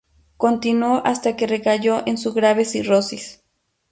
Continuó hasta que recayó en su grave cirrosis.